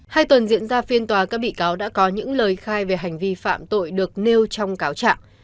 hai tuần diễn ra phiên tòa các bị cáo đã có những lời khai về hành vi phạm tội được nêu trong cáo trạng